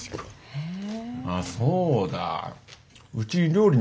へえ。